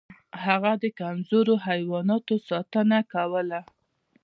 هغه د کمزورو حیواناتو ساتنه کوله.